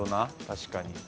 確かに。